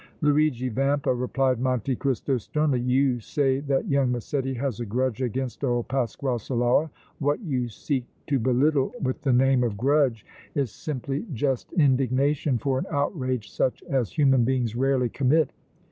"Luigi Vampa," replied Monte Cristo, sternly, "you say that young Massetti has a grudge against old Pasquale Solara! What you seek to belittle with the name of grudge is simply just indignation for an outrage such as human beings rarely commit!